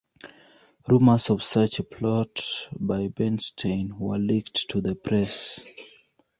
Rumors of such a plot by Bernstein were leaked to the press.